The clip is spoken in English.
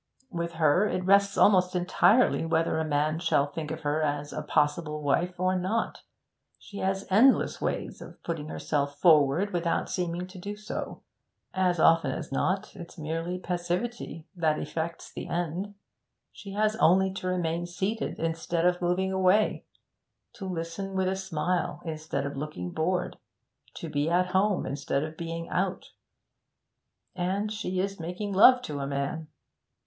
With her it rests almost entirely whether a man shall think of her as a possible wife or not. She has endless ways of putting herself forward without seeming to do so. As often as not, it's mere passivity that effects the end. She has only to remain seated instead of moving away; to listen with a smile instead of looking bored; to be at home instead of being out, and she is making love to a man.